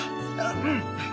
うん。